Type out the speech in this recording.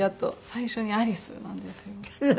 最初に「アリス」なんですよ。